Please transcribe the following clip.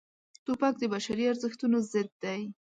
توپک د بشري ارزښتونو ضد دی.